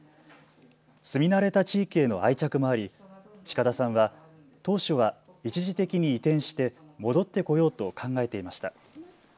住み慣れた地域への愛着もあり近田さんは当初は一時的に移転して戻ってこようと考えていました。